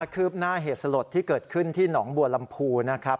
คืบหน้าเหตุสลดที่เกิดขึ้นที่หนองบัวลำพูนะครับ